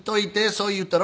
そう言うたろ？